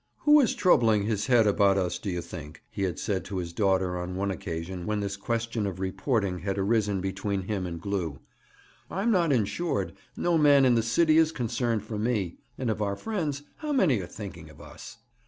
'Who is troubling his head about us, do you think?' he had said to his daughter on one occasion when this question of reporting had arisen between him and Glew. 'I am not insured. No man in the city is concerned for me. And of our friends, how many are thinking of us?'